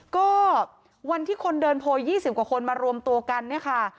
ก็วันที่คนเดินโพย๒๐กว่าคนมารวมตัวกันเนี่ยค่ะ